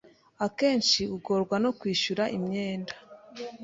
akenshi ugorwa no kwishyura imyenda